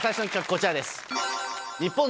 こちらです。